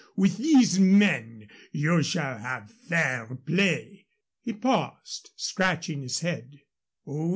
With these men you shall have fair play." He paused, scratching his head.